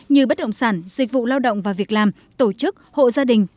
như bất động sản dịch vụ lao động và việc làm tổ chức hộ gia đình